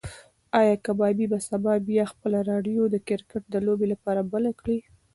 ایا کبابي به سبا بیا خپله راډیو د کرکټ د لوبې لپاره بله کړي؟